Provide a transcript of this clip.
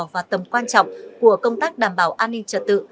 và tầm quan trọng của công tác đảm bảo an ninh trật tự